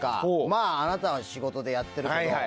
まあ、あなたは仕事でやっているけど。